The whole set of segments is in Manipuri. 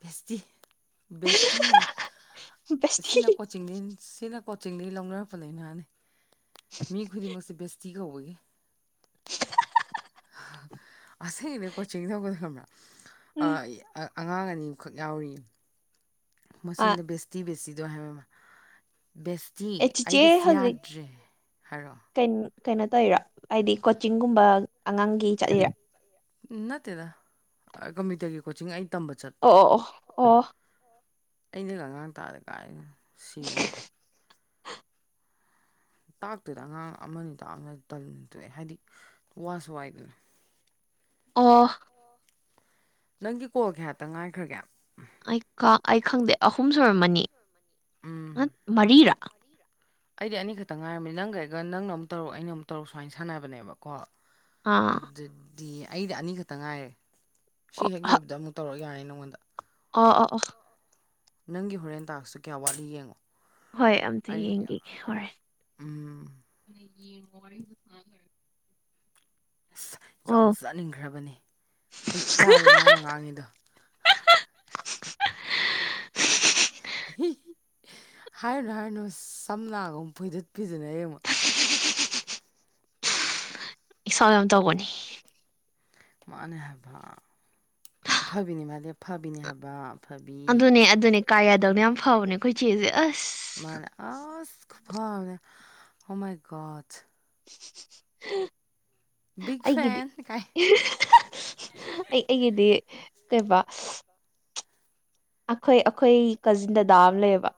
ꯕꯦꯁꯇꯤ ꯕꯦꯁꯇꯤ ꯕꯦꯁꯇꯤ ꯁꯤꯅ ꯀꯣꯆꯤꯡꯅꯤ ꯁꯤꯅ ꯀꯣꯆꯤꯡꯗꯩ ꯂꯧꯅꯔꯛꯄꯅꯦ ꯉꯍꯥꯟꯗꯩꯩ ꯃꯤ ꯈꯨꯗꯤꯡꯃꯛꯁꯦ ꯕꯦꯁꯇꯤ ꯀꯧꯕꯒꯤ ꯑꯁꯦꯗꯩ ꯀꯣꯆꯤꯡ ꯇꯧꯕꯗꯣ ꯈꯪꯕꯔ꯭ ꯑꯥ ꯑꯉꯥꯡ ꯑꯅꯤꯃꯨꯈꯛ ꯌꯥꯎꯔꯤ ꯑꯥ ꯃꯁꯤꯟꯗ ꯕꯦꯁꯇꯤ ꯕꯦꯁꯇꯤꯗꯣ ꯍꯥꯏꯕ ꯑꯃ ꯕꯦꯁꯇꯤ ꯑꯦ ꯆꯤꯆꯦ ꯑꯩꯒꯤꯁꯨ ꯍꯧꯖꯤꯛ ꯌꯥꯗ꯭ꯔꯦ ꯍꯥꯏꯔꯣ ꯀꯩꯅꯣ ꯀꯩꯅꯣ ꯇꯧꯋꯤꯔꯣ ꯍꯥꯏꯗꯤ ꯀꯣꯆꯤꯡꯒꯨꯝꯕ ꯑꯉꯥꯡꯒꯤ ꯍꯥꯏꯗꯤ ꯆꯠꯂꯤꯔ ꯅꯠꯇꯦꯗ ꯀꯝꯕꯤꯇꯔꯒꯤ ꯀꯣꯆꯤꯡ ꯑꯩ ꯇꯝꯕ ꯑꯣ ꯑꯣ ꯑꯣ ꯑꯩꯅꯒꯥ ꯑꯉꯥꯡ ꯇꯥꯛꯑꯥ ꯀꯥꯏ ꯁꯤꯔꯅꯤ ꯇꯥꯛꯇꯦꯗ ꯑꯉꯥꯡ ꯑꯃꯅꯤ ꯇꯥꯛꯑꯝꯃꯦ ꯇꯟ ꯇꯣꯛ ꯑꯦ ꯍꯥꯏꯗꯤ ꯋꯥꯁꯨ ꯋꯥꯏꯗꯅ ꯑꯣ ꯅꯪꯒꯤ ꯀꯣꯜ ꯀꯌꯥꯇꯪ ꯉꯥꯏꯈ꯭ꯔꯒꯦ ꯑꯩ ꯑꯩ ꯈꯪꯗꯦ ꯑꯍꯨꯝ ꯁꯨꯔꯝꯃꯅꯤ ꯎꯝ ꯅꯠ ꯃꯔꯤꯔꯥ ꯑꯩꯗꯤ ꯑꯅꯤ ꯈꯛꯇ ꯉꯥꯏꯔꯝꯅꯤ ꯅꯪꯒꯩꯒ ꯅꯪꯅ ꯑꯃꯨ ꯇꯧꯔꯨꯛ ꯑꯩꯅ ꯇꯧꯔꯨꯛ ꯁꯨꯃꯥꯏꯅ ꯁꯥꯟꯅꯕꯅꯦꯕꯀꯣ ꯑꯥ ꯑꯗꯨꯗꯤ ꯑꯩꯗꯤ ꯑꯅꯤ ꯈꯛꯇ ꯉꯥꯏꯔꯦ ꯁꯤ ꯍꯦꯛ ꯂꯣꯏꯕꯗ ꯑꯃꯨꯛ ꯇꯧꯔꯛ ꯌꯥꯔꯅꯤ ꯅꯪꯉꯣꯟꯗ ꯑ ꯑ ꯑ ꯅꯪꯒꯤ ꯍꯣꯔꯦꯟ ꯇꯥꯛꯁꯁꯦ ꯀꯌꯥ ꯋꯥꯠꯂꯤ ꯌꯦꯡꯉꯣ ꯍꯣꯏ ꯑꯝꯇ ꯑꯩ ꯌꯦꯡꯈꯤꯒꯦ ꯍꯣꯔꯦꯟ ꯎꯝ ꯌꯦꯡꯉꯣ ꯍꯣꯔꯦꯟꯗꯣ ꯉꯥꯏꯍꯛ ꯂꯩꯔꯒꯥ ꯑꯁ ꯌꯥꯝ ꯆꯥꯅꯤꯡꯈ꯭ꯔꯕꯅꯦ ꯑꯩ ꯆꯥꯏꯌꯦ ꯃꯥꯅ ꯉꯥꯡꯉꯤꯗꯣ ꯑ ꯍꯥ ꯍꯤ ꯍꯥꯏꯔꯨꯅꯨ ꯍꯥꯏꯔꯨꯅꯨ ꯁꯝꯅꯥꯒ ꯑꯃꯨꯛ ꯐꯣꯏꯗꯠ ꯄꯤꯗꯅ ꯍꯌꯦꯡꯃꯨꯛ ꯏꯁꯥ ꯌꯥꯝ ꯇꯧꯕꯥꯅꯤ ꯃꯥꯅꯦ ꯍꯥꯏꯕ ꯐꯕꯤꯅꯤ ꯃꯥꯗꯤ ꯐꯕꯤꯅꯤ ꯍꯥꯏꯕ ꯑꯐꯕꯤ ꯑꯗꯨꯅꯦ ꯑꯗꯨꯅꯦ ꯀꯥ ꯌꯥꯗꯧꯅꯦ ꯌꯥꯝ ꯐꯥꯎꯕꯅꯦ ꯑꯩꯈꯣꯏꯆꯦꯁꯦ ꯑꯁ ꯃꯥꯅꯦ ꯑꯁ ꯈꯨꯐꯥ ꯑꯃꯅꯦ ꯑꯣ ꯃꯥꯏ ꯒꯣꯗ ꯍꯥ ꯕꯤꯛ ꯑꯩꯒꯤꯗꯤ ꯐꯦꯟ ꯀꯥꯏ ꯑꯩ ꯑꯩꯒꯤꯗꯤ ꯀꯩꯕꯥ ꯑꯈꯣꯏ ꯑꯈꯣꯏ ꯀꯖꯤꯟ ꯗꯗꯥ ꯑꯃ ꯂꯩꯌꯦꯕ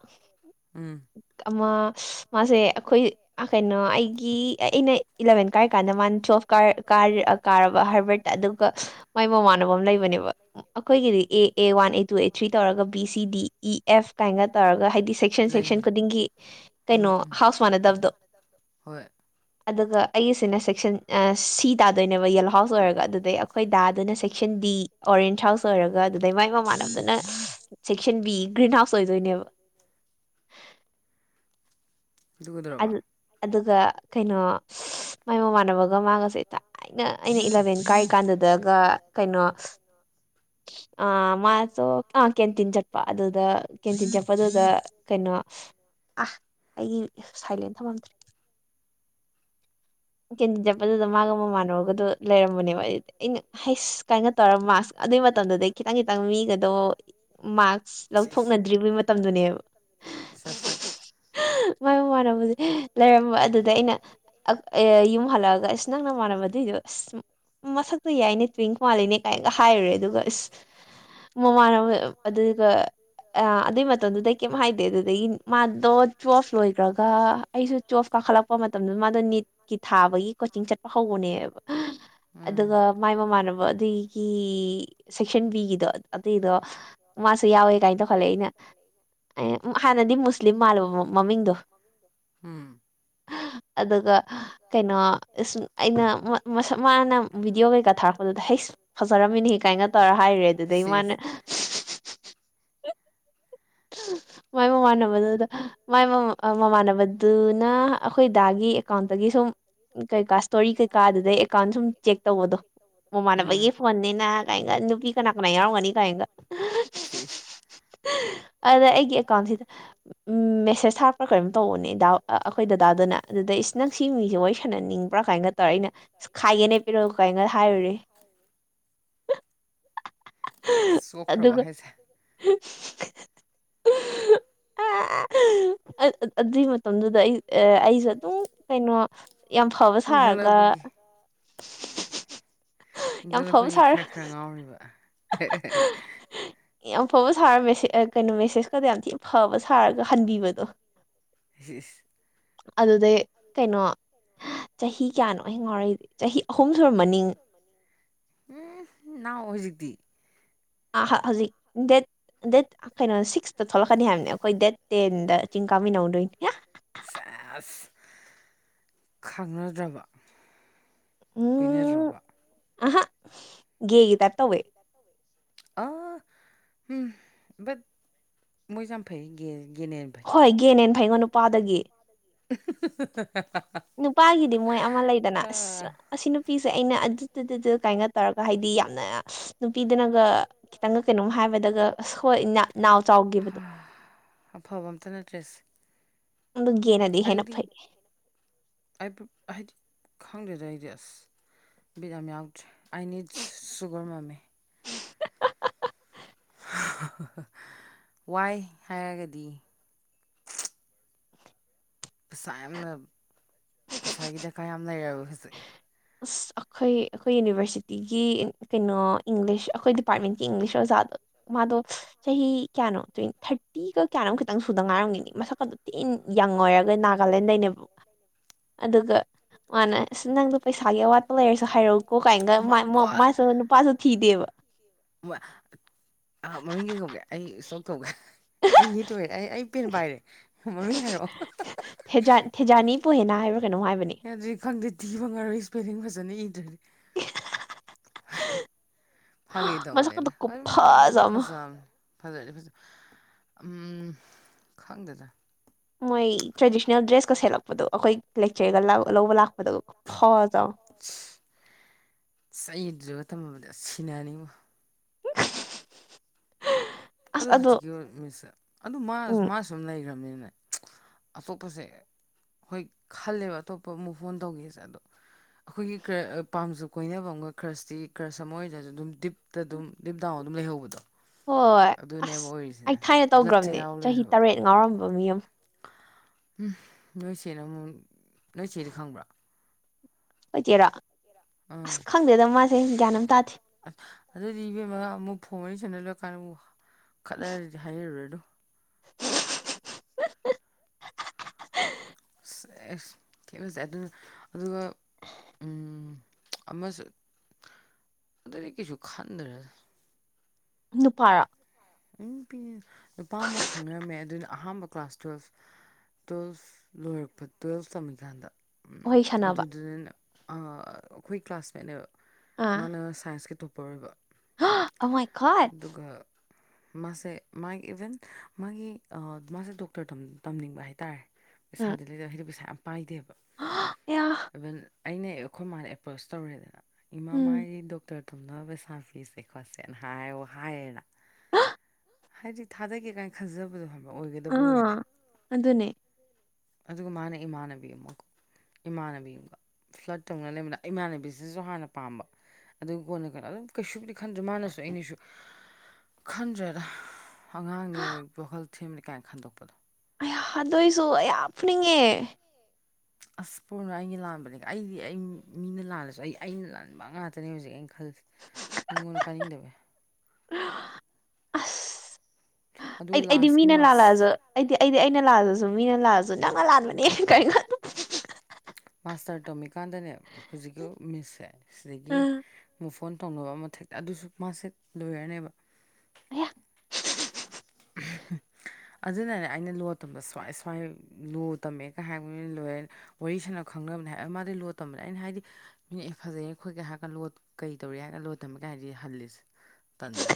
ꯎꯝ ꯑꯃꯥ ꯃꯥꯁꯦ ꯑꯩꯈꯣꯏ ꯀꯩꯅꯣ ꯑꯩꯒꯤ ꯑꯩꯅ ꯏꯂꯚꯦꯟ ꯀꯥꯏꯔꯀꯥꯟꯗ ꯃꯥꯅ ꯇꯨꯋꯜꯞ ꯀꯥꯔ ꯀꯥꯔꯕ ꯍꯥꯏꯕꯩ ꯑꯗꯨꯒ ꯃꯥꯏ ꯃꯃꯥꯟꯅꯕ ꯑꯃ ꯂꯩꯕꯅꯦꯕ ꯑꯩꯈꯣꯏꯒꯤꯗꯤ A A one A two A three ꯇꯧꯔꯒ B C D E F ꯀꯥꯏꯅꯒ ꯇꯧꯔꯒ ꯍꯥꯏꯗꯤ ꯁꯦꯛꯁꯟ ꯂꯩ ꯁꯦꯛꯁꯟ ꯂꯩ ꯈꯨꯗꯤꯡꯒꯤ ꯎꯝ ꯀꯩꯅꯣ ꯎꯝ ꯍꯥꯎꯁ ꯃꯅꯗꯕꯗꯣ ꯍꯣꯏ ꯑꯗꯨꯒ ꯑꯩꯒꯤꯁꯤꯅ ꯁꯦꯛꯁꯟ ꯁꯤ ꯇꯥꯗꯣꯏꯅꯦꯕ ꯌꯦꯜꯂꯣꯍꯥꯎꯁ ꯑꯣꯏꯔꯒ ꯑꯗꯨꯗꯩ ꯑꯩꯈꯣꯏ ꯗꯥ ꯑꯗꯨꯅ ꯁꯦꯛꯁꯟ ꯗꯤ ꯑꯣꯔꯦꯟ ꯍꯥꯎꯁ ꯑꯣꯏꯔꯒ ꯑꯗꯨꯗꯩ ꯃꯥꯏ ꯃꯃꯥꯟꯅꯕꯗꯨꯅꯥ ꯁꯦꯛꯁꯟ ꯕꯤ ꯒ꯭ꯔꯤꯟ ꯍꯥꯎꯁ ꯑꯣꯏꯗꯣꯏꯅꯦꯕ ꯑꯗꯨ ꯀꯩꯗꯧꯔꯕ ꯑꯗꯨꯒ ꯀꯩꯅꯣ ꯃꯥꯏ ꯃꯃꯥꯟꯅꯕ ꯃꯥ ꯃꯥꯒꯁꯦ ꯊꯥꯏꯅ ꯑꯩꯅ ꯏꯂꯚꯦꯟ ꯀꯥꯏꯔꯤ ꯀꯥꯟꯗꯨꯗꯒ ꯀꯩꯅꯣ [inaudible] ꯑ ꯃꯥꯁꯨꯣ ꯑ ꯀꯦꯟꯇꯤꯟ ꯆꯠꯄ ꯑꯗꯨꯗ ꯀꯦꯟꯇꯤꯟ ꯆꯠꯄꯗꯨꯗ ꯀꯩꯅꯣ ꯑ ꯑꯩꯒꯤ ꯁꯥꯏꯂꯦꯟ ꯊꯃꯝꯗ꯭ꯔꯦ ꯀꯦꯟꯗꯤꯗꯦꯠ ꯑꯗꯨꯗ ꯃꯥꯒ ꯃꯃꯥꯟꯅꯨꯔꯒꯗꯨ ꯂꯩꯔꯝꯕꯅꯦꯕ ꯑꯗꯨꯗꯤ ꯍꯩꯁ ꯀꯥꯏꯅ ꯇꯧꯔ ꯃꯥꯛꯁ ꯑꯗꯨꯏ ꯃꯇꯝꯗꯨꯗꯩ ꯈꯤꯇꯪ ꯈꯤꯇꯪ ꯃꯤꯒꯗꯣ ꯃꯥꯛꯁ ꯂꯧꯊꯣꯛꯅꯗ꯭ꯔꯤꯕꯩ ꯃꯇꯝꯗꯨꯅꯦꯕ ꯁ ꯁ ꯃ ꯃꯃꯥꯟꯅꯕꯗꯤ ꯂꯩꯔꯝꯕ ꯑꯗꯨꯗ ꯑꯩꯅ ꯑꯦ ꯌꯨꯝ ꯍꯜꯂꯛꯑꯒ ꯑꯁ ꯅꯪꯅ ꯃꯥꯟꯅꯕꯗꯏꯗꯣ ꯑꯁ ꯃꯁꯛꯇꯨ ꯌꯥꯏꯅꯦ ꯇ꯭ꯋꯤꯡ ꯃꯥꯜꯂꯤꯅꯦ ꯀꯥꯏꯅꯒ ꯍꯥꯏꯔꯨꯔꯦ ꯑꯗꯨꯒ ꯑꯁ ꯃꯃꯥ ꯑꯗꯨꯒ ꯑꯗꯨꯏ ꯃꯇꯝꯗꯨꯗꯩ ꯀꯩꯝ ꯍꯥꯏꯗꯦ ꯑꯗꯨꯗꯒꯤ ꯃꯥꯗꯣ ꯆꯣꯐ ꯂꯣꯏꯈ꯭ꯔꯒ ꯑꯩꯁꯨ ꯆꯣꯞ ꯀꯥꯈꯠꯂꯛꯄ ꯃꯇꯝꯗ ꯃꯥꯗꯣ ꯅꯤꯠ ꯀꯤ ꯊꯥꯕꯒꯤ ꯀꯣꯆꯤꯡ ꯆꯠꯄ ꯍꯧꯕꯅꯦꯕ ꯎꯝ ꯑꯗꯨꯒ ꯃꯥꯏ ꯃꯃꯥꯟꯅꯕ ꯑꯗꯨꯒꯤ ꯁꯦꯛꯁꯟ ꯕꯤꯒꯤꯗꯣ ꯑꯇꯩꯗꯣ ꯃꯥꯁꯨ ꯌꯥꯎꯋꯦ ꯀꯥꯏꯅ ꯇꯧꯈꯜꯂꯦ ꯑꯩꯅ ꯍꯥꯟꯅꯗꯤ ꯃꯨꯁꯂꯤꯝ ꯃꯥꯜꯂꯕ ꯃꯃꯤꯡꯗꯣ ꯝ ꯑꯗꯨꯒ ꯀꯩꯅꯣ ꯑꯩꯅ ꯃꯥꯅ ꯚꯤꯗꯤꯑꯣ ꯀꯩꯀꯥ ꯊꯥꯔꯛꯄꯗꯨꯗ ꯍꯩ ꯐꯖ ꯔꯝꯃꯤꯅꯤ ꯀꯥꯏꯅ ꯇꯧꯔ ꯍꯥꯏꯔꯦ ꯑꯗꯨꯗꯩ ꯃꯥꯅ ꯁꯤꯁ ꯃꯥꯏ ꯃꯃꯥꯟꯅꯕꯗꯨꯗ ꯃꯥꯏ ꯃꯃꯥꯟꯅꯕꯗꯨꯅ ꯑꯩꯈꯣꯏ ꯗꯥꯒꯤ ꯑꯦꯀꯥꯎꯟꯇꯒꯤ ꯁꯨꯝ ꯀꯩꯀꯥ ꯏꯁꯇꯣꯔꯤꯩ ꯀꯥ ꯑꯗꯨꯗꯩ ꯑꯦꯀꯥꯎꯟ ꯁꯨꯝ ꯆꯦꯛ ꯇꯧꯕꯗꯣ ꯎꯝ ꯃꯃꯥꯟꯅꯕꯒꯤ ꯐꯣꯟꯅꯤꯅ ꯀꯥꯏꯅꯒ ꯅꯨꯄꯤ ꯀꯅꯥ ꯀꯅꯥ ꯌꯥꯎꯔꯝꯒꯅꯤ ꯀꯑꯒ ꯁꯤꯁ ꯑꯗ ꯑꯩꯒꯤ ꯑꯦꯀꯥꯎꯟꯁꯤꯗ ꯃꯦꯁꯦ ꯁ ꯍꯥꯞ꯭ꯔꯥ ꯀꯔꯤꯝ ꯇꯧꯕꯅꯦ ꯑꯩꯈꯣꯏ ꯗꯗꯥꯗꯨꯅ ꯑꯗꯨꯗ ꯏꯁ ꯅꯪ ꯁꯤ ꯃꯤꯁꯦ ꯋꯥꯔꯤ ꯁꯥꯟꯅꯅꯤꯡꯕ꯭ꯔꯥ ꯀꯥꯏꯅꯒ ꯇꯧꯔꯦ ꯑꯩꯅ ꯈꯥꯏꯒꯦꯅꯦ ꯄꯤꯔꯛꯑꯣ ꯀꯥꯏ ꯉ ꯍꯥꯏꯔꯨꯨꯔꯦ ꯆꯣꯛꯈ꯭ꯔꯕ ꯑꯗꯨꯒ ꯍꯥꯏꯁꯦ ꯑ ꯑꯗꯨꯏ ꯃꯇꯝꯗꯨꯗ ꯑꯩ ꯑꯩꯁꯨꯦ ꯑꯗꯨꯝ ꯀꯩꯅꯣ ꯌꯥꯝ ꯐꯕ ꯁꯥꯔꯒ ꯏꯟꯈꯠꯂꯛꯄꯒꯤ [unintelligible] ꯌꯥꯝ ꯐꯕ ꯏꯟꯈꯠꯂꯛꯄꯒꯤ ꯁꯥꯔ ꯈꯔ ꯈꯔ ꯉꯥꯎꯔꯤꯕ ꯑꯐꯕ ꯁꯥꯔ ꯃꯦꯁ ꯀꯩꯅꯣ ꯃꯦꯁꯦꯖꯀꯗ ꯌꯥꯝ ꯊꯤꯅ ꯐꯕ ꯁꯥꯔꯒ ꯍꯟꯕꯤꯕꯗꯣ ꯏꯁ ꯑꯗꯨꯗꯩ ꯀꯩꯅꯣ ꯆꯍꯤ ꯀꯌꯥꯅꯣ ꯑ ꯉꯥꯎꯔꯛꯏꯗꯤ ꯆꯍꯤ ꯑꯍꯨꯝ ꯁꯨꯔꯝꯃꯅꯤ ꯎꯝ ꯅꯅꯥ ꯍꯧꯖꯤꯛꯇꯛꯇꯗꯤ ꯑ ꯍꯧꯖꯤꯛ ꯗꯦꯠ ꯗꯦꯠ ꯀꯩꯅꯣ ꯁꯤꯁ ꯊꯣꯛꯂꯛꯀꯅꯤ ꯍꯥꯏꯕꯅꯦ ꯑꯩꯈꯣꯏ ꯗꯦꯠ ꯇꯦꯟꯗ ꯆꯤꯡ ꯀꯥꯃꯤꯟꯅꯧꯗꯣꯏꯅꯤ ꯁꯦꯁ ꯈꯪꯅꯗ꯭ꯔꯕ ꯀꯣꯏꯅꯗ꯭ꯔꯕ ꯑꯍ ꯦꯒꯤ ꯇ ꯇꯧꯋꯦ ꯑ ꯎꯝ ꯠ ꯃꯣꯏ ꯆꯝ ꯐꯩꯒꯦ ꯒꯤꯅꯅꯕꯩ ꯍꯩꯉꯣ ꯅꯨꯄꯥꯗꯒꯤ [unintelligible] ꯅꯨꯄꯥꯒꯤꯗꯤ ꯃꯣꯏ ꯑꯃ ꯂꯩꯗꯅ ꯑꯁ ꯑꯁꯤ ꯅꯨꯄꯤ ꯁꯦ ꯑꯩꯅ ꯑꯗꯨꯗꯨ ꯀꯥꯏꯅ ꯇꯧꯔꯒ ꯍꯥꯏꯗꯤ ꯌꯥꯝꯅ ꯅꯨꯄꯤꯗꯨꯅꯒ ꯈꯤꯇꯪꯒ ꯀꯩꯅꯣꯝ ꯍꯥꯏꯕ ꯑꯗꯨꯒ ꯍꯣꯏ ꯏꯅꯥꯎ ꯑꯐꯕ ꯑꯝꯇ ꯅꯠꯇ꯭ꯔꯦꯁꯦ ꯑꯗꯨꯒꯤꯦꯅꯗꯤ ꯍꯦꯟꯅ ꯑꯩꯗꯤ ꯐꯩ ꯑꯩꯕꯨ ꯍꯥꯏꯗꯤ ꯈꯪꯗꯦꯗ ꯑꯩꯗꯤ ꯑꯁ ꯕꯤꯠ ꯌꯥꯝ ꯌꯥꯎꯗ꯭ꯔꯦ ꯑꯩ ꯅꯤꯠ ꯁꯨꯒꯔ ꯃꯝꯃꯦ ꯋꯥꯏ ꯍꯥꯏꯔꯒꯗꯤ ꯄꯩꯁꯥ ꯌꯥꯝꯅ ꯄꯩꯁꯥꯒꯤ ꯗꯀꯥꯔ ꯌꯥꯝ ꯂꯩꯔꯕ ꯍꯧꯖꯤꯛ ꯑꯁ ꯑꯩꯈꯣꯏ ꯑꯩꯈꯣꯏ ꯌꯨꯅꯤꯚꯔꯁꯤꯇꯤꯒꯤ ꯀꯩꯅꯣ ꯏꯪꯂꯤꯁ ꯑꯩꯈꯣꯏ ꯗꯤꯄꯥꯔꯠꯃꯦꯟꯀꯤ ꯏꯪꯂꯤꯁ ꯑꯣꯖꯥ ꯃꯥꯗꯣ ꯆꯍꯤ ꯀꯌꯥꯅꯣ ꯇ ꯊꯥꯔꯇꯤꯒ ꯀꯌꯥꯅꯣꯝ ꯈꯤꯇꯪ ꯁꯨꯗ ꯉꯥꯏꯔꯝꯒꯅꯤ ꯃꯁꯛꯀ ꯑꯗꯨꯣ ꯏꯟ ꯌꯪ ꯑꯣꯏꯔꯒ ꯅꯥꯒꯥꯂꯦꯟꯗꯅꯦꯕ ꯑꯗꯨꯒ ꯃꯥꯅꯦ ꯁꯤ ꯅꯪꯗꯨ ꯄꯩ ꯁꯒꯦꯋꯥꯂ ꯍꯥꯏꯔꯛꯎꯀꯣ ꯀꯥꯏꯅꯒ ꯃꯥꯏ ꯒꯣꯠ ꯃꯁꯨ ꯅꯨꯄꯥꯁꯨ ꯊꯤꯗꯦꯕ ꯑ ꯃꯃꯤꯡ ꯀꯩ ꯀꯧꯒꯦ ꯑꯩ ꯁꯣꯛ ꯀꯧꯒꯦ ꯑꯩ ꯅꯤ ꯇꯣꯏꯔꯦ ꯑꯩ ꯑꯩ ꯄꯦꯟ ꯄꯥꯏꯔꯦ ꯃꯃꯤꯡ ꯍꯥꯏꯔꯛꯑꯣ ꯄꯣꯍꯦꯅ ꯌꯥꯗ꯭ꯔꯔꯤ ꯈꯪꯗꯦ ꯊꯤꯕ ꯉꯔꯣꯏ ꯏꯁꯄꯦꯂꯤꯡ ꯐꯖꯅ ꯏꯗ꯭ꯔꯦꯗꯤ [unintelligible] ꯐꯒꯦ ꯇ ꯃꯁꯛꯀꯗꯣ ꯃꯅꯅ ꯃꯤ ꯈꯨꯐꯖ ꯑꯃ ꯐꯁꯝ ꯐꯖꯔꯗꯤ ꯐꯖ ꯎꯝ ꯈꯪꯗꯗ꯭ꯔꯥ ꯃꯣꯏ ꯇ꯭ꯔꯦꯗꯤꯁꯅꯦꯜ ꯗ꯭ꯔꯦꯁꯀ ꯁꯦꯂꯛꯄꯗꯣ ꯑꯩꯈꯣꯏ ꯂꯦꯛꯆꯔꯒ ꯂꯧꯕ ꯂꯥꯛꯄ ꯃ ꯍꯋꯥ ꯆꯥꯎ ꯃꯇꯝ ꯑꯃꯗ ꯁꯤꯟꯅꯅꯤꯡꯕ ꯑꯁ ꯑꯗꯨ ꯑꯗꯣ ꯍꯧꯖꯤꯛꯀꯤ ꯃꯤꯁꯁꯦ ꯑꯗꯨ ꯎꯝ ꯃꯥꯁꯨꯨꯝ ꯂꯩꯈ꯭ꯔꯕꯅꯤꯅ ꯑꯇꯣꯞꯄꯁꯦ ꯍꯣꯏ ꯈꯜꯂꯦꯕ ꯑꯇꯣꯞꯄ ꯑꯃꯨꯛ ꯐꯣꯟ ꯇꯧꯒꯦꯁꯦ ꯑꯗꯣ ꯑꯩꯈꯣꯏꯒꯤ ꯄꯥꯝꯖ ꯀꯣꯏꯅꯕ ꯑꯃꯒ ꯀ꯭ꯔꯁꯇꯤ ꯀ꯭ꯔꯁ ꯑꯃ ꯑꯣꯏꯗꯁꯨ ꯑꯗꯨꯝ ꯗꯤꯞꯇ ꯑꯗꯨꯝ ꯗꯤꯞ ꯗꯥꯎꯟ ꯑꯗꯨꯝ ꯂꯩꯍꯧꯕꯗꯣ ꯍꯣꯏ ꯑꯁ ꯑꯗꯨꯅꯦꯕ ꯑꯩ ꯑꯣꯏꯔꯤꯁꯤꯅ ꯊꯥꯏꯅ ꯕ꯭ꯂꯠꯁꯦ ꯇꯧꯈ꯭ꯔꯕꯅꯦ ꯌꯥꯎ ꯆꯍꯤ ꯇꯔꯦꯠ ꯉꯥꯎꯔꯝꯕ ꯃꯤ ꯑꯃ ꯎꯝ ꯅꯣꯏ ꯆꯦꯅ ꯑꯃꯨꯛ ꯅꯣꯏ ꯆꯦꯗ ꯈꯪꯕ꯭ꯔꯥ ꯍꯆꯦꯔꯣ ꯑꯁ ꯑꯥ ꯈꯪꯗꯦꯗ ꯃꯥꯁꯦ ꯒ꯭ꯌꯥꯟ ꯑꯃꯝ ꯇꯥꯗꯦ ꯑꯗꯨꯗꯤ ꯏꯕꯦꯝꯃ ꯑꯃꯨꯛ ꯐꯣꯡ ꯃꯔꯤ ꯁꯅ ꯂꯣꯏꯀꯥꯟꯗꯕꯨ ꯈꯂꯔꯗꯤ ꯍꯥꯏꯔꯨꯔꯗꯨꯣ [unintelligible] ꯁꯦ ꯑꯗꯨꯅ ꯑꯗꯨꯒ ꯑꯃꯁꯨꯡ ꯑꯗꯨꯗꯒꯤ ꯀꯩꯁꯨ ꯈꯟꯗꯔ ꯅꯨꯄꯥꯔ ꯎ ꯅꯨ ꯅꯨꯄꯥ ꯑꯃ ꯈꯪꯅꯔꯝꯃꯦ ꯑꯗꯨꯅ ꯑꯍꯥꯟꯕ ꯀ꯭ꯂꯥꯁ ꯇꯨꯋꯦꯜꯐ ꯇꯨꯋꯜꯐ ꯂꯣꯏꯔꯛꯄ ꯇꯨꯌꯦꯜꯐ ꯇꯝꯃꯤꯀꯥꯟꯗ ꯋꯥꯔꯤ ꯁꯥꯟꯅꯕ ꯑꯗꯨꯗꯨꯗꯅꯦ ꯑꯩꯈꯣꯏ ꯀ꯭ꯂꯥꯁꯃꯦꯠꯅꯦꯕ ꯃꯥꯅ ꯁꯥꯏꯟꯁꯀꯤ ꯇꯣꯞꯄꯔ ꯑꯣꯏꯕ ꯑꯃꯣꯏ ꯈ ꯑꯗꯨꯒ ꯃꯥꯁꯦ ꯃꯥꯒꯤ ꯏꯚꯦꯟ ꯃꯥꯒꯤ ꯃꯥꯁꯦ ꯗꯣꯛꯇꯔ ꯇꯝꯅꯤꯡꯕ ꯍꯥꯏꯇꯥꯔꯦ ꯄꯩꯁꯥꯗ ꯂꯩꯗꯔꯗꯤ ꯄꯩꯁꯥ ꯌꯥꯝꯝ ꯄꯥꯏꯗꯦꯕ ꯌꯥ ꯏꯚꯟ ꯑꯩꯅ ꯑꯩꯈꯣꯏ ꯃꯥꯅ ꯑꯦꯄ꯭ꯔꯣꯁ ꯇꯧꯔꯦꯗꯅ ꯏꯃꯥ ꯎꯝ ꯃꯥꯥꯏ ꯗꯣꯛꯇꯔ ꯇꯨꯝꯅ ꯄꯩꯁꯥ ꯐꯤꯁꯦ ꯈꯣꯠꯁꯦꯅ ꯍꯥꯏꯌ ꯍꯥꯏꯌꯦꯅ ꯍꯥꯏꯗꯤ ꯊꯥꯗꯒꯦ ꯀꯥꯏꯅ ꯈꯟꯖꯕꯗꯣ ꯍꯥꯏꯕ ꯑꯣꯏꯒꯗꯕ ꯑꯥ ꯑꯣꯏꯔꯗꯤ ꯑꯗꯨꯅꯦ ꯑꯗꯨꯒ ꯃꯥꯅ ꯏꯃꯥꯟꯅꯕꯤ ꯑꯃꯀꯣ ꯏꯃꯥꯟꯅꯕꯤ ꯑꯃꯒ ꯐ꯭ꯂꯠ ꯇꯧꯅ ꯂꯩꯕꯗ ꯏꯃꯥꯟꯅꯕꯤꯁꯤꯅꯁꯨ ꯍꯥꯟꯅ ꯄꯥꯝꯕ ꯑꯗꯨ ꯀꯣꯟꯅ ꯀꯩꯅꯣ ꯑꯗꯨꯝ ꯀꯩꯁꯨꯗꯤ ꯈꯟꯗ꯭ꯔꯦ ꯃꯥꯅꯁꯨ ꯑꯩꯅꯁꯨ ꯈꯟꯗ꯭ꯔꯦꯗ ꯑꯉꯥꯡꯅꯤ ꯋꯥꯈꯜ ꯊꯦꯝꯅꯤ ꯀꯥꯏꯅ ꯈꯟꯗꯣꯛꯄꯗꯣ ꯑꯩꯗꯣꯏꯏꯁꯨ ꯑ ꯄꯨꯅꯤꯡꯉꯦ ꯑꯁ ꯄꯨꯔꯅ ꯑꯩꯒꯤ ꯂꯥꯟꯕꯅꯦ ꯑꯩꯗꯤ ꯑꯩ ꯃꯤꯅ ꯂꯥꯜꯂꯁꯨ ꯑꯩ ꯑꯩꯅ ꯂꯥꯟꯕ ꯉꯥꯛꯇꯅꯦ ꯍꯧꯖꯤꯛꯩꯅ ꯈꯂꯁꯤ ꯃꯤꯉꯣꯟꯗ ꯀꯥꯅꯤꯡꯗꯕꯦ ꯑꯁ ꯑꯗꯨꯒ ꯑꯩꯗꯤ ꯑꯩꯗꯤ ꯂꯥꯁꯀꯤ ꯃꯤꯅ ꯃꯥꯁ ꯂꯥꯜꯂꯛꯑꯁꯨ ꯑꯩꯗꯤ ꯑꯩꯗꯤ ꯑꯩꯅ ꯂꯥꯜꯂꯁꯨ ꯃꯤꯅ ꯂꯥꯂꯁꯨ ꯅꯪꯅ ꯂꯥꯟꯕꯅꯦ ꯀꯔꯤꯅꯣ ꯃꯥꯁꯇꯔ ꯇꯝꯃꯤꯀꯥꯟꯗꯅꯦ ꯍꯧꯖꯤꯛꯀꯤ ꯃꯤꯁꯁꯦ ꯁꯤꯗꯒꯤ ꯑꯥ ꯃꯨ ꯐꯣꯟ ꯇꯧꯅꯕ ꯑꯃꯊꯦꯛꯇ ꯑꯗꯨꯁꯨ ꯃꯥꯁꯦ ꯂꯣꯏꯔꯅꯦꯕ ꯍ [unintelligible] ꯑꯗꯨꯅꯅꯦ ꯑꯩꯅ ꯂꯣ ꯇꯝꯕ ꯁꯨꯋꯥꯥꯏ ꯁ꯭ꯋꯥꯥꯏ ꯂꯣ ꯇꯝꯃꯦꯒ ꯍꯥꯏꯕꯅꯤꯅ ꯂꯣꯏꯔ ꯋꯥꯔꯤ ꯁꯥꯟꯅ ꯈꯪꯅꯕ ꯃꯥꯗꯤ ꯂꯣꯠ ꯇꯝꯕꯗ ꯑꯩꯅ ꯍꯥꯏꯗꯤ ꯃꯤ ꯐꯖꯩ ꯈꯈꯣꯏꯠꯒ ꯍꯥꯏꯔꯒ ꯂꯣꯠ ꯀꯩ ꯇꯧꯔꯤ ꯍꯥꯏꯔꯒ ꯂꯣꯠ ꯇꯝꯕꯒ ꯍꯥꯏꯗꯤ ꯍꯂꯤꯁ ꯇꯟꯗꯟ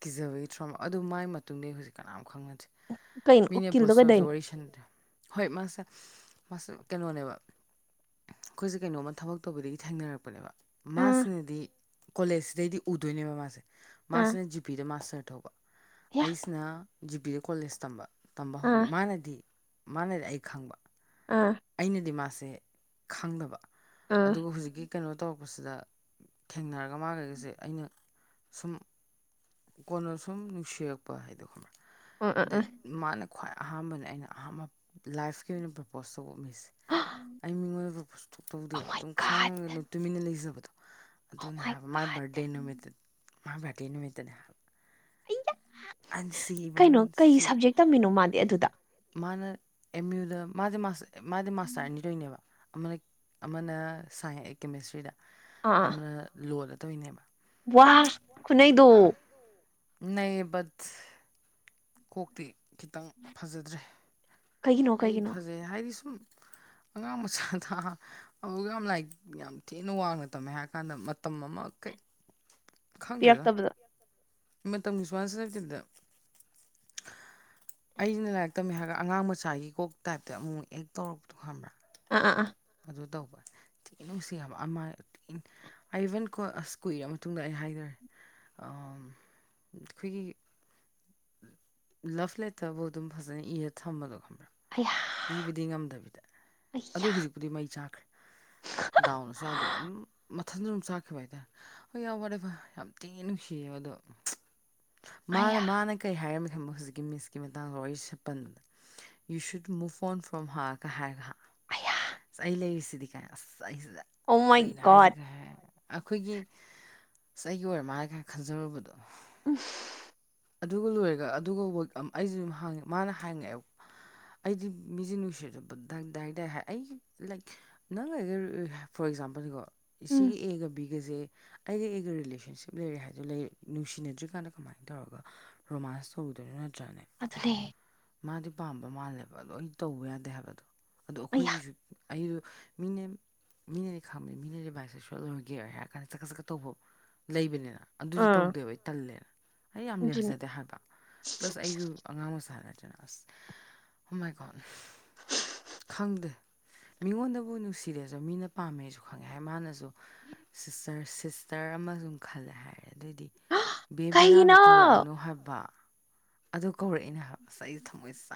ꯀꯤꯖꯕꯒꯤ ꯊꯧꯔꯝ ꯑꯗꯨ ꯃꯒꯤ ꯃꯇꯨꯡꯗ ꯑꯩ ꯍꯧꯖꯤꯛ ꯀꯅꯥꯝ ꯈꯪꯅꯗꯦ ꯀꯩꯅꯣ ꯃꯤꯅꯦ ꯎꯀꯤꯜꯗꯣ ꯄ꯭ꯔꯣꯁ ꯀꯩꯗꯧꯏꯅꯣ ꯖꯋꯥꯔꯤ ꯁꯗ꯭ꯔ ꯍꯣꯏ ꯃꯥ ꯁ ꯃꯥꯁ ꯀꯩꯅꯣꯅꯦꯕ ꯑꯩꯈꯣꯏꯁꯦ ꯀꯩꯅꯣꯝꯃ ꯊꯕꯛ ꯇꯧꯕꯗꯒꯤ ꯊꯦꯡꯅꯔꯛꯄꯅꯦꯕ ꯑꯥ ꯃꯥꯁꯤꯅꯗꯤ ꯀꯣꯂꯦꯖ ꯁꯤꯗꯩꯗꯤ ꯎꯗꯣꯏꯅꯦꯕ ꯃꯥꯁꯦ ꯑꯥ ꯃꯥꯁꯤꯅ ꯖꯤꯄꯤꯗ ꯃꯥꯁꯇꯔ ꯇꯧꯕ ꯑꯌꯥ ꯑꯩꯁꯤꯅ ꯖꯤꯄꯤꯗ ꯀꯣꯂꯦꯖ ꯇꯝꯕ ꯇꯝꯕ ꯍꯧꯧꯕ ꯑꯥ ꯃꯥꯅꯗꯤ ꯃꯥꯅꯗꯤ ꯑꯩ ꯈꯪꯕ ꯑꯥ ꯑꯩꯅꯗꯤ ꯃꯥꯁꯦ ꯈꯪꯗꯕ ꯑꯥ ꯑꯗꯨꯒ ꯍꯧꯖꯤꯛꯀꯤ ꯀꯩꯅꯣ ꯇꯧꯔ ꯄ ꯁꯤꯗ ꯊꯦꯡꯅꯔꯒ ꯃꯥꯈꯩꯩꯁꯦ ꯑꯩꯅ ꯁꯨꯝ ꯀꯣꯟꯅ ꯁꯨꯝ ꯅꯨꯡꯁꯤꯔꯛꯄ ꯍꯥꯏꯗꯣ ꯈꯪꯕ꯭ꯔꯥ ꯑ ꯑ ꯑ ꯃꯥꯅ ꯈ꯭ꯋꯥꯏ ꯑꯍꯥꯟꯕꯅ ꯑꯩꯅ ꯑꯍꯥꯟꯕ ꯂꯥꯏꯐꯀꯤ ꯑꯣꯏꯅ ꯄꯔꯄꯣꯁ ꯇꯧꯝꯃꯤꯁꯦ ꯑꯩ ꯃꯤꯉꯣꯏꯕ ꯄꯨ ꯑꯣ ꯊꯣꯛꯣꯛꯇꯧꯗꯦꯕ ꯃꯥꯏ ꯑꯗꯨꯝ ꯒꯥꯠ ꯈꯥꯡꯉꯒ ꯑꯗꯨꯝ ꯇꯨꯃꯤꯟꯅ ꯂꯩꯖꯕꯗꯣ ꯑꯣ ꯑꯗꯨꯅꯦ ꯍꯥꯏꯕ ꯃꯥꯏ ꯒꯥꯠ ꯕꯔꯗꯦ ꯅꯨꯃꯤꯠꯇ ꯃꯥ ꯚꯥꯔꯇꯤ ꯅꯨꯃꯤꯠꯇꯅꯦ ꯍꯥꯏꯕ ꯑꯟꯁꯤ ꯏꯚꯟ ꯀꯩꯅꯣ ꯀꯩ ꯁꯤ ꯁꯞꯖꯦꯛ ꯇꯝꯃꯤꯅꯣ ꯃꯥꯗꯤ ꯑꯗꯨꯗ ꯃꯥꯅ ꯑꯦꯝ ꯌꯌꯨꯗ ꯃꯥꯗꯤ ꯃꯥꯗꯤ ꯃꯥꯁꯇꯔꯅꯤꯗꯣꯏꯅꯦꯕ ꯑꯃꯅ ꯑꯃꯅ ꯁꯥꯏꯟꯁ ꯀꯦꯃꯤꯁꯇ꯭ꯔꯤꯗ ꯑꯥ ꯑꯥ ꯑꯃꯅ ꯂꯣꯗ ꯇꯧꯔꯤꯅꯦꯕ ꯋꯥ ꯈꯨꯅꯩꯗꯨ ꯅꯩꯌꯦ ꯕꯠ ꯀꯣꯛꯇꯤ ꯈꯤꯇꯪ ꯐꯖꯗ꯭ꯔꯦ ꯀꯩꯒꯤꯅꯣ ꯑꯩ ꯀꯩꯒꯤꯅꯣ ꯐꯖꯩ ꯍꯥꯏꯗꯤ ꯁꯨꯝ ꯑꯉꯥꯡ ꯃꯆꯥ ꯑꯗꯨꯒ ꯌꯥꯝ ꯂꯥꯏꯔꯤꯛ ꯌꯥꯝ ꯊꯤꯅ ꯋꯥꯡꯅ ꯇꯝꯃꯦ ꯍꯥꯏꯔ ꯀꯥꯟꯗ ꯃꯇꯝ ꯑꯃ ꯀꯩ ꯈꯪꯗ꯭ꯔꯦꯗ ꯄꯤꯔꯛꯇꯕꯗ ꯃꯇꯝꯒꯤ ꯁ꯭ꯋꯥꯁꯤ ꯂꯩꯇꯗ [unintelligible] ꯑꯩꯁꯤꯅ ꯂꯥꯏꯔꯤꯛ ꯇꯝꯃꯦ ꯍꯥꯏꯔꯒ ꯑꯉꯥꯡ ꯃꯆꯥꯒꯤ ꯀꯣꯛ ꯇꯥꯏꯞꯇ ꯑꯃꯨꯛ ꯑꯦꯛ ꯇꯧꯔꯛꯄꯣ ꯈꯪꯕ꯭ꯔꯥ ꯑꯥ ꯑꯥ ꯑꯥ ꯑꯗꯨ ꯇꯧꯕ ꯊꯤ ꯅꯨꯡꯁꯤ ꯍꯥꯏꯕ ꯑꯃ ꯑꯕꯟ ꯀꯣ ꯑꯁ ꯀꯨꯏꯔꯕ ꯃꯇꯨꯡꯗ ꯑꯩ ꯍꯥꯏꯗꯔꯦ ꯑꯩꯈꯣꯏꯒꯤ ꯂꯞ ꯂꯩꯦꯇꯕꯨ ꯑꯗꯨꯝ ꯐꯖꯅ ꯏꯔ ꯊꯝꯝꯕꯗꯣ ꯈꯕ꯭ꯔꯥ ꯑꯌꯥ ꯄꯤꯕꯗꯤ ꯉꯝꯗꯕꯤꯗ ꯑꯌꯥ ꯑꯗꯨ ꯍꯧꯖꯤꯛꯄꯨꯗꯤ ꯃꯩ ꯆꯥꯈ꯭ꯔꯦ ꯗꯥꯎꯟ ꯊꯟꯖꯨꯝ ꯆꯥꯛꯈꯤꯕ ꯍꯥꯏꯇꯥꯔꯦ ꯍ ꯌꯥꯝꯎ ꯋꯥꯔꯦ ꯐ ꯌꯥꯝ ꯇꯤꯉ ꯅꯨꯡꯁꯤꯌꯦꯕ ꯑꯗꯣ ꯃꯥꯅ ꯑꯌꯥ ꯃꯥꯅ ꯀꯔꯤ ꯍꯥꯏꯔꯝꯃꯤ ꯈꯟꯕ ꯍꯧꯖꯤꯛꯀꯤ ꯃꯤꯁꯀꯤ ꯃꯇꯥꯡꯗ ꯂꯣꯏ ꯁꯦ ꯄꯟꯕꯗ ꯌꯨ ꯁꯨꯠ ꯑꯃꯨꯛ ꯐꯣꯟ ꯐ꯭ꯔꯣꯝ ꯍꯥꯑꯒ ꯍꯥꯏꯔꯒ ꯑꯌꯥ ꯑꯁ ꯑꯩ ꯂꯩꯔꯤꯁꯤꯗꯤ ꯀꯥꯏ ꯑꯁ ꯑꯩꯁꯤꯗ ꯑꯣ ꯃꯥꯏ ꯀꯩꯅꯣ ꯒꯣꯠ ꯍꯥꯏꯁꯤꯒ ꯍꯥꯏꯦ ꯑꯩꯈꯣꯏꯒꯤꯁ ꯑꯩꯒꯤ ꯑꯣꯏꯔ ꯃꯥꯜꯂꯒ ꯈꯟꯖꯔꯨꯕꯗꯣ ꯎꯝ ꯑꯗꯨꯒ ꯂꯣꯏꯔꯒ ꯑꯗꯨꯒꯕ ꯑꯩꯁꯨ ꯑꯗꯨ ꯍꯉꯦ ꯃꯥꯅ ꯍꯪꯉꯛꯑꯦꯕ ꯑꯩꯗꯤ ꯃꯤꯁꯦ ꯅꯨꯡꯁꯤꯖꯕ ꯗꯗꯥꯏꯗꯥ ꯍꯥꯏ ꯑꯩꯒꯤ ꯂꯥꯏꯛ ꯅꯪ ꯑꯦꯛꯖꯥꯝꯄꯜꯅꯤꯀꯣ ꯎꯝ ꯁꯤꯒꯤ ꯑꯦꯒ ꯕꯤ ꯑꯩꯒꯁꯦ ꯑꯩꯒ ꯑꯩꯒ ꯔꯤꯂꯦꯁꯟꯁꯤꯞ ꯂꯩꯔꯦ ꯍꯥꯏꯗꯣ ꯂꯩ ꯅꯨꯡꯁꯤꯅꯗ꯭ꯔꯤꯀꯥꯟꯗ ꯀꯃꯥꯏꯅ ꯇꯧꯔꯒ ꯔꯣꯃꯥꯟꯁ ꯎꯗꯣꯏꯔꯅ ꯆ ꯑꯗꯨꯅꯦꯦ ꯃꯥꯗꯤ ꯄꯥꯝꯕ ꯃꯥꯜꯂꯦꯕ ꯑꯗꯣ ꯑꯩ ꯇꯧꯕ ꯌꯥꯗꯦ ꯍꯥꯏꯕꯗꯣ ꯑꯗꯨꯗ ꯑꯌꯥ ꯑꯩꯈꯣꯏꯒꯤꯁꯨ ꯑꯩꯁꯨ ꯃꯤꯅꯦ ꯃꯤꯅꯗꯤ ꯈꯪꯕꯅꯤ ꯃꯤꯅꯗꯤ ꯚꯥꯏꯁꯦ ꯁꯣꯏꯂꯣꯏꯒꯦ ꯍꯥꯏꯔ ꯀꯥꯟꯗ ꯆꯀꯠ ꯆꯀꯠ ꯇꯧꯕ ꯂꯩꯕꯅꯤꯅ ꯑꯗꯨꯗꯤ ꯑꯥ ꯇꯧꯗꯦꯕ ꯑꯩ ꯇꯜꯂꯦꯔ ꯑꯩ ꯌꯥꯝ ꯑꯗꯨꯅꯦ ꯂꯦꯝꯖꯗꯦ ꯍꯥꯏꯕ ꯄ꯭ꯂꯁ ꯑꯩꯁꯨ ꯑꯉꯥꯡ ꯑꯣꯏ ꯁꯥꯟꯅꯅꯤ ꯍꯃꯥꯏꯀ ꯈꯪꯗꯦ ꯃꯤꯉꯣꯟꯗꯕꯨ ꯅꯨꯡꯁꯤꯔꯦꯁꯨ ꯃꯤꯅ ꯄꯥꯝꯃꯦꯁꯨ ꯈꯪꯉꯦ ꯍꯥꯏ ꯃꯥꯅꯁꯨ ꯁꯤꯁꯇꯔ ꯁꯤꯁꯇꯔ ꯑꯃꯁ ꯁꯝ ꯈꯜꯂꯦ ꯍꯥꯏꯔ ꯑꯗꯨꯏꯗꯤ ꯕꯦꯝ ꯀꯩꯒꯤꯅꯣ ꯕꯦꯔꯥꯡꯗꯣ ꯀꯧꯔꯛꯑꯅꯨ ꯍꯥꯏꯕ ꯑꯗꯨ ꯀꯧꯔꯛꯏꯅꯦ ꯉꯁꯥꯏ ꯑꯩ ꯊꯝꯃꯣꯏꯁꯦ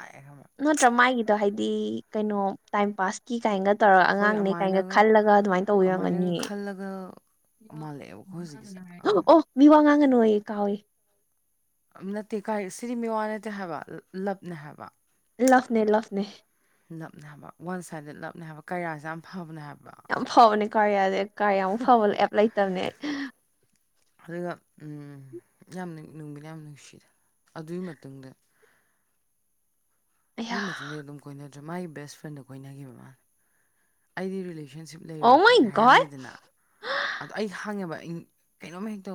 ꯅꯠꯇ꯭ꯔꯥ ꯃꯥꯒꯤꯗꯣ ꯍꯥꯏꯗꯤ ꯀꯩꯅꯣ ꯇꯥꯏꯝ ꯄꯥꯁꯀꯤ ꯀꯥꯏꯅꯒ ꯇꯧꯔꯒ ꯍꯣꯏ ꯑꯉꯥꯡꯅꯦ ꯀꯥꯏꯅꯒ ꯑꯃꯥꯏꯅꯒ ꯈꯜꯂꯒ ꯑꯗꯨꯃꯥꯏꯅ ꯑꯗꯨꯃꯥꯏꯅꯒ ꯇꯧꯕꯔꯝꯒꯅꯤꯌꯦ ꯈꯜꯂꯒ ꯃꯥꯜꯂꯛꯑꯦꯕꯀꯣ ꯍꯧꯖꯤꯛꯀꯤꯁꯦ ꯑꯣ ꯑꯥ ꯑꯣ ꯃꯤ ꯋꯥ ꯉꯥꯡꯉꯅꯨꯌꯦ ꯀꯥꯎꯏꯦ ꯅꯠꯇꯦ ꯀꯥꯏ ꯁꯤꯗꯤ ꯃꯦꯋꯥ ꯅꯠꯇꯦ ꯍꯥꯏꯕ ꯂꯞꯅꯦ ꯍꯥꯏꯕ ꯂꯐꯅꯦ ꯂꯐꯅꯦ ꯂꯞꯅ ꯍꯥꯏꯕ ꯋꯥꯟ ꯁꯥꯏꯗ ꯂꯞꯅ ꯍꯥꯏꯕ ꯀꯩꯔꯥꯁꯦ ꯌꯥꯝ ꯐꯕꯅꯦ ꯍꯥꯏꯕ ꯌꯥꯝ ꯐꯕꯅꯦ ꯀꯔ ꯌꯥꯗꯦ ꯀꯔ ꯌꯥꯝꯛ ꯐꯕ ꯑꯦꯞ ꯂꯩꯇꯕꯅꯦ ꯑꯗꯨꯒ ꯌꯥꯝ ꯅꯨꯡꯒꯤꯅ ꯌꯥꯝ ꯅꯨꯡꯁꯤꯔ ꯑꯗꯨꯒꯤ ꯃꯇꯨꯡꯗ ꯑꯩ ꯑꯗꯨꯒꯤ ꯃꯇꯨꯡꯗ ꯑꯗꯨꯝ ꯀꯣꯏꯅꯗ꯭ꯔꯦ ꯃꯥꯒꯤ ꯕꯦꯁ ꯐ꯭ꯔꯦꯟꯗ ꯀꯣꯏꯅꯈꯤꯕ ꯃꯥꯅꯦ ꯑꯩꯗꯤ ꯦ ꯑꯣ ꯂꯩꯣꯏ ꯈ ꯃꯥꯏ ꯒꯣꯗ ꯍꯥꯏꯔꯝꯃꯦꯗꯅ ꯑꯣ ꯑꯩ ꯍꯥꯡꯉꯦꯕ ꯀꯩꯅꯣꯝ ꯍ ꯇꯧ